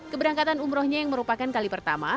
keberangkatan umrohnya yang merupakan kali pertama